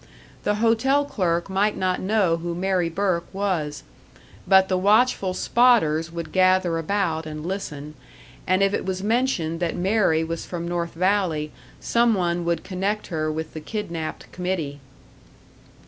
The hotel clerk might not know who Mary Burke was; but the watchful "spotters" would gather about and listen, and if it was mentioned that Mary was from North Valley, some one would connect her with the kidnapped committee.